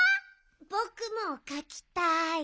ぼくもかきたい。